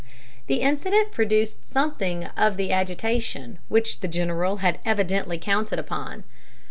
The incident produced something of the agitation which the general had evidently counted upon.